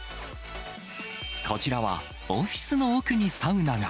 こちらは、オフィスの奥にサウナが。